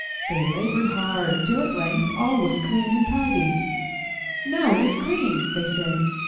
They labored hard, till at length all was clean and tidy. Now it is clean!" they said.